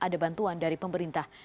ada bantuan dari pemerintah